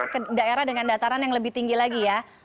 ke daerah dengan dataran yang lebih tinggi lagi ya